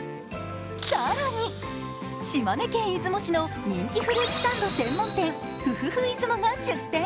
更に、島根県出雲市の人気フルーツサンド専門店、ｆｕｆｕｆｕＩＺＵＭＯが出店。